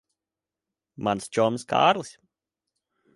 Mans čoms Kārlis.